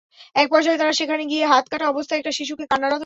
একপর্যায়ে তারা সেখানে গিয়ে হাত কাটা অবস্থায় একটি শিশুকে কান্নারত দেখে।